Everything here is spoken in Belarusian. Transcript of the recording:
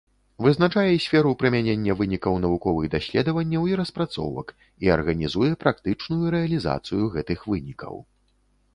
Вызначае сферу прымянення вынікаў навуковых даследаванняў і распрацовак і арганізуе практычную рэалізацыю гэтых вынікаў.